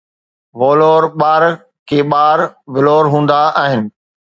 وولور ٻار ڪي ٻار ولور هوندا آهن.